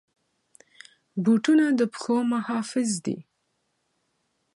بوټونه د پښو محافظ دي.